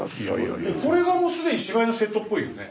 これがもう既に芝居のセットっぽいよね。